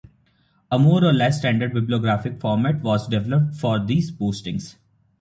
A more or less standard bibliographic format was developed for these postings.